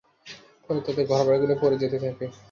ফলে তাদের ঘরবাড়িগুলো পড়ে যেতে থাকে।